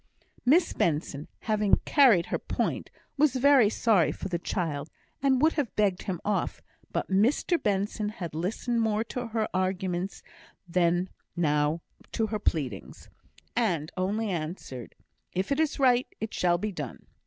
Miss Benson, having carried her point, was very sorry for the child, and would have begged him off; but Mr Benson had listened more to her arguments than now to her pleadings, and only answered, "If it is right, it shall be done!"